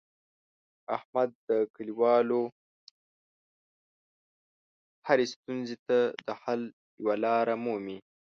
احمد د کلیوالو هرې ستونزې ته د حل یوه لاره مومي.